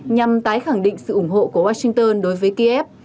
nhằm tái khẳng định sự ủng hộ của washington đối với kiev